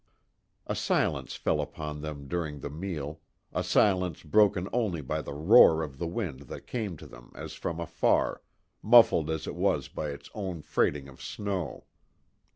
A silence fell upon them during the meal, a silence broken only by the roar of the wind that came to them as from afar, muffled as it was by its own freighting of snow.